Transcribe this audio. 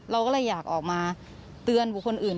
เราก็เลยอยากออกมาเตือนบุคคลอื่น